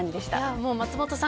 もう松本さん